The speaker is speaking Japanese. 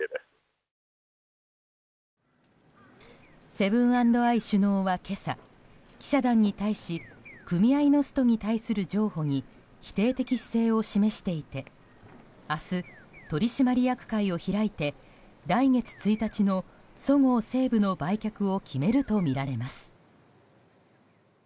セブン＆アイ首脳は今朝記者団に対し組合のストに対する譲歩に否定的姿勢を示していて明日、取締役会を開いて来月１日のそごう・西武の売却を決めるとみられます。